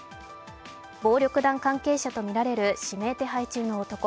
暴力団関係者とみられる指名手配中の男。